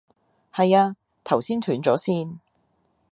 係啊，頭先斷咗線